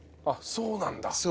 あっそうなんだ。